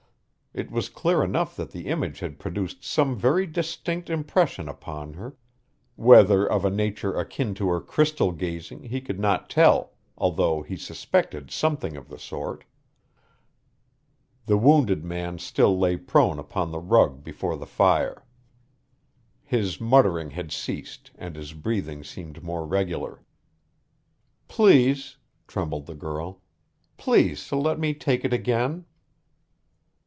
It was clear enough that the image had produced some very distinct impression upon her whether of a nature akin to her crystal gazing he could not tell, although he suspected something of the sort. The wounded man still lay prone upon the rug before the fire. His muttering had ceased and his breathing seemed more regular. "Please," trembled the girl. "Please to let me take it again."